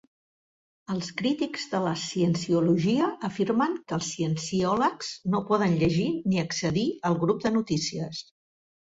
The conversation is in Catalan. Els crítics de la cienciologia afirmen que els cienciòlegs no poden llegir ni accedir al grup de notícies.